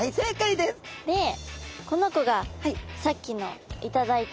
でこの子がさっきの頂いた。